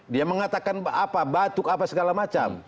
dia mengatakan apa batuk apa segala macam